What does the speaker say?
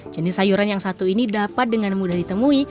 jenis sayuran yang satu ini dapat dengan mudah ditemui